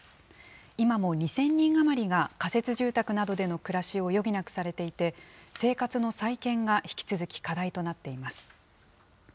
今も２０００人余りが仮設住宅などでの暮らしを余儀なくされていて、生活の再建が引き続き課題となっています。